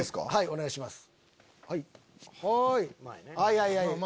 お願いします。